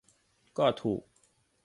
ก็ถูก